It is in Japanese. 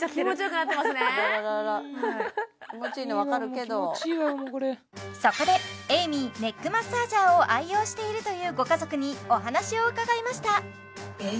気持ちいいわこれそこでエイミーネックマッサージャーを愛用しているというご家族にお話を伺いましたね